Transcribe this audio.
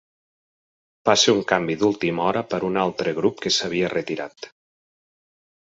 Van ser un canvi d'última hora per un altre grup que s'havia retirat.